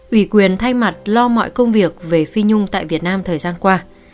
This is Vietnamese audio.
ủy quyền thay mặt lo mọi công việc về phi nhung tại việt nam thời gian qua